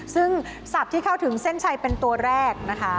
ซึ่งสัตว์ที่เข้าถึงเส้นชัยเป็นตัวแรกนะคะ